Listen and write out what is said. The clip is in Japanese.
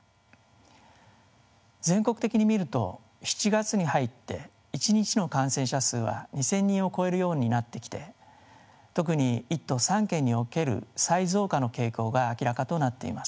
全国的に見ると７月に入って１日の感染者数は２，０００人を超えるようになってきて特に１都３県における再増加の傾向が明らかとなっています。